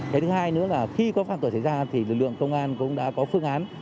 cái thứ hai nữa là khi có phạm tội xảy ra thì lực lượng công an cũng đã có phương án